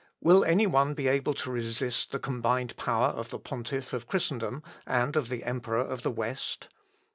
Will any one be able to resist the combined power of the pontiff of Christendom and of the emperor of the West?